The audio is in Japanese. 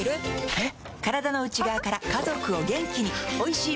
えっ？